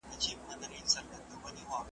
ځواک مند افغان